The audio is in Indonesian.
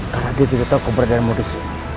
karena dia juga tahu kau berada di modus